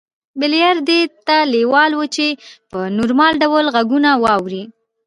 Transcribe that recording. بلییر دې ته لېوال و چې په نورمال ډول غږونه واوري